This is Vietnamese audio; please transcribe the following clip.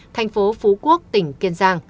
thành phố phú quốc tỉnh kiên giang